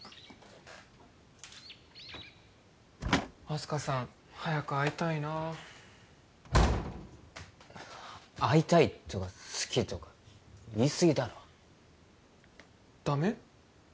あす花さん早く会いたいなあ「会いたい」とか「好き」とか言いすぎだろダメ？